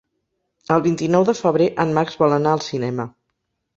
El vint-i-nou de febrer en Max vol anar al cinema.